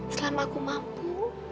selama aku mampu